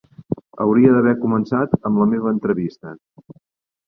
Hauria d'haver començat amb la meva entrevista.